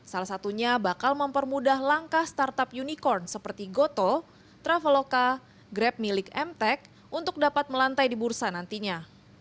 salah satunya bakal mempermudah langkah startup unicorn seperti gotoh traveloka grab milik mtek untuk dapat melantai di bursa nantinya